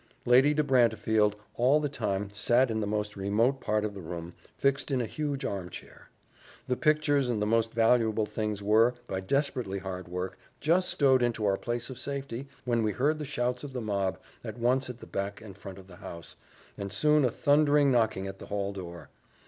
Lady de Brantefield all the time sat in the most remote part of the room, fixed in a huge arm chair. The pictures and the most valuable things were, by desperately hard work, just stowed into our place of safety, when we heard the shouts of the mob, at once at the back and front of the house, and soon a thundering knocking at the hall door.